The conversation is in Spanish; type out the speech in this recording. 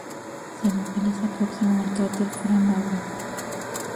Se localiza próximo al cráter Fra Mauro.